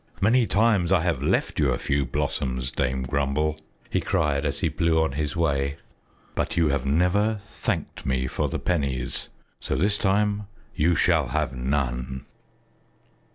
"Many times I have left you a few blossoms, Dame Grumble," he cried, as he blew on his way, "but you have never thanked me for the pennies, so this time you shall have none."